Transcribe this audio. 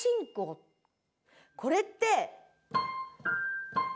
これって。